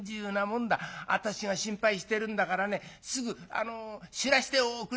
「私が心配してるんだからねすぐ知らしておくれよ」。